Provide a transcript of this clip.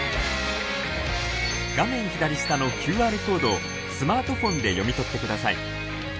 画面左下のＱＲコードをスマートフォンで読み取ってください。